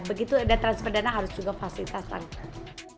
begitu ada transfer dana harus juga fasilitas lakukan